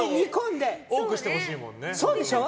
そうでしょ。